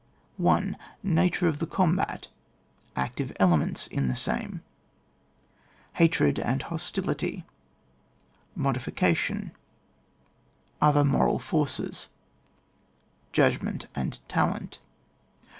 Nature of tlie combat — Active elements in tlie same — Hatred and hos tility— ^Modification — Other moral forces — Judgment and talent.